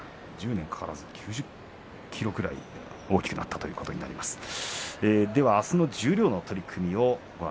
１０年かからずに９０ｋｇぐらい大きくなったということになりますからね。